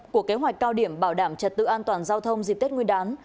của kế hoạch cao điểm bảo đảm trật tự an toàn giao thông dịp tết nguyên đán